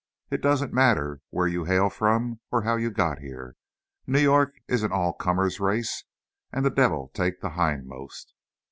It doesn't matter where you hail from, or how you got here; New York is an all comers' race, and the devil take the hindmost."